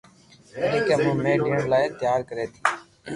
طريقي سان منهن ڏيڻ لاءِ تيار ڪري ٿي